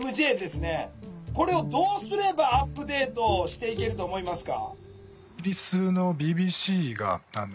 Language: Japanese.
これをどうすればアップデートしていけると思いますか？